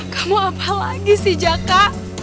kamu apa lagi si jaka